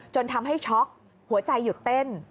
ทำให้ช็อกหัวใจหยุดเต้น